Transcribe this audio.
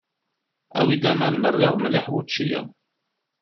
Awi-d aman, merriɣ mliḥ wučči-a.